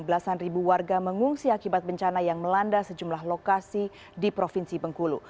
belasan ribu warga mengungsi akibat bencana yang melanda sejumlah lokasi di provinsi bengkulu